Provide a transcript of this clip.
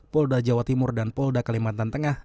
polda jawa timur dan polda kalimantan tengah